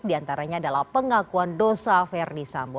di antaranya adalah pengakuan dosa verdi sambo